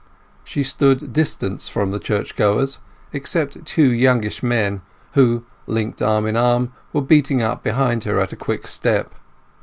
She soon distanced the churchgoers, except two youngish men, who, linked arm in arm, were beating up behind her at a quick step.